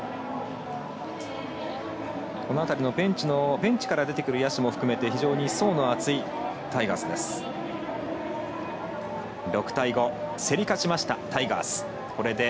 ベンチから出てくる野手も含めて非常に層の厚いタイガースです。